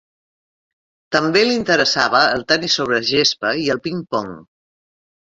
També li interessava el tenis sobre gespa i el ping-pong.